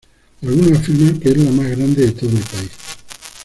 Algunos afirman que es la más grande de todo el país.